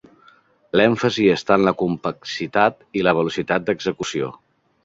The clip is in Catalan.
L'èmfasi està en la compacitat i la velocitat d'execució.